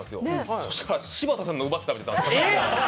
そうしたら、柴田さんの奪って食べてた。